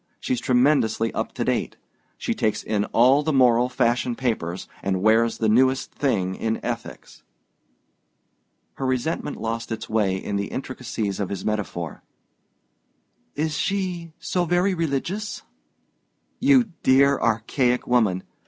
She's tremendously up to date. She takes in all the moral fashion papers, and wears the newest thing in ethics." Her resentment lost its way in the intricacies of his metaphor. "Is she so very religious?" "You dear archaic woman!